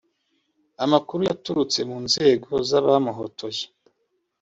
amakuru yaturutse mu nzego z’abamuhotoye